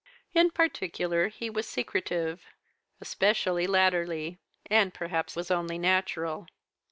In particular he was secretive, especially latterly, as perhaps was only natural.